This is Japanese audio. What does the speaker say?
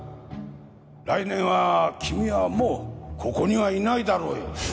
来年は君はもうここにはいないだろうよ。